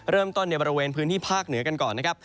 เริ่มต้นในบริเวณพื้นที่ภาคเหนือกันก่อนนะครับ